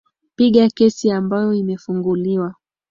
pinga kesi ambayo imefunguliwa